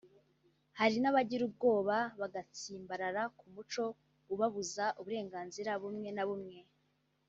Hari n’abagira ubwoba bagatsimbarara ku muco ubabuza uburenganzira bumwe na bumwe